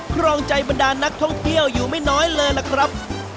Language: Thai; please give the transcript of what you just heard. ครองใจบรรดานักท่องเที่ยวอยู่ไม่น้อยเลยล่ะครับ